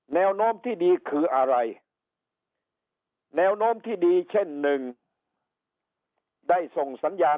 แนวโน้มที่ดีคืออะไรแนวโน้มที่ดีเช่นหนึ่งได้ส่งสัญญาณ